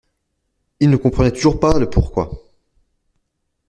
Il ne comprenait toujours pas le pourquoi.